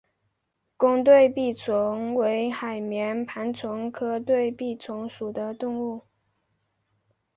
弓对臂虫为海绵盘虫科对臂虫属的动物。